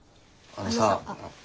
あのさ。